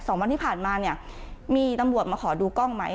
วันที่ผ่านมาเนี่ยมีตำรวจมาขอดูกล้องไหม